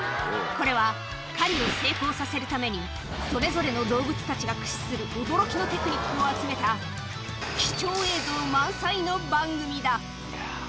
これは狩りを成功させるためにそれぞれの動物たちが駆使する驚きのテクニックを集めた貴重映像満載の番組だ